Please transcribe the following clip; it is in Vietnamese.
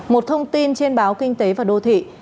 một thông tin trên báo kinh tế và đô thị